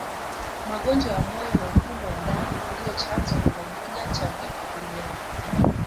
Magonjwa ya moyo na mfumo wa damu ndio chanzo namba moja cha vifo duniani